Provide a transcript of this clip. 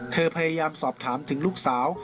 พยายามสอบถามถึงลูกสาว